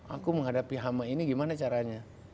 aku menghadapi hama ini gimana caranya